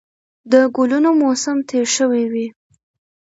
د ګلونو موسم تېر شوی وي